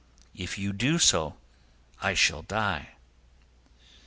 If you do I shall die."